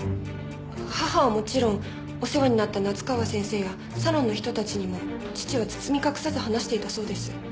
母はもちろんお世話になった夏河先生やサロンの人たちにも父は包み隠さず話していたそうです。